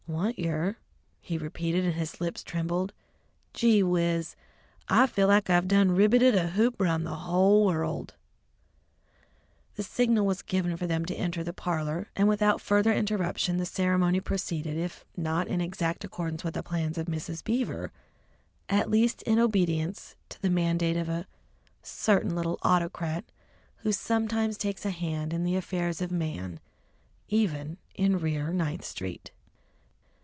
"Want yer?" he repeated, and his lips trembled, "gee whiz! I feel like I done ribbeted a hoop round the hull world!" The signal was given for them to enter the parlour, and without further interruption the ceremony proceeded, if not in exact accordance with the plans of Mrs. Beaver, at least in obedience to the mandate of a certain little autocrat who sometimes takes a hand in the affairs of man even in Rear Ninth Street.